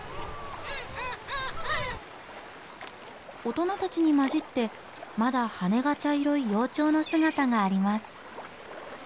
大人たちに交じってまだ羽が茶色い幼鳥の姿があります。